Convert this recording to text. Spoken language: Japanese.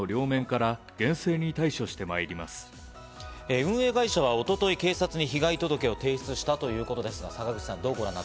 運営会社は一昨日、警察に被害届を提出したということですが、坂口さん。